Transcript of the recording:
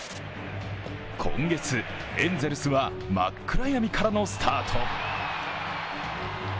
今月、エンゼルスは真っ暗闇からのスタート。